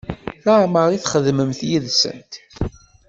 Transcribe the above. Laɛmeṛ i txedmem yid-sent?